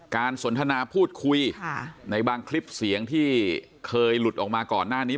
สนทนาพูดคุยในบางคลิปเสียงที่เคยหลุดออกมาก่อนหน้านี้